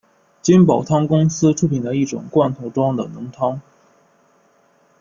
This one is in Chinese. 金宝汤公司出品的一种罐头装的浓汤。